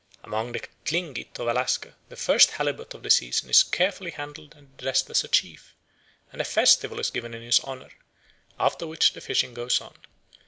'" Amongst the Tlingit of Alaska the first halibut of the season is carefully handled and addressed as a chief, and a festival is given in his honour, after which the fishing goes on.